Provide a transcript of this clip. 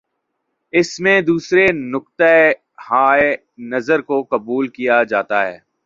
اس میں دوسرے نقطہ ہائے نظر کو قبول کیا جاتا ہے۔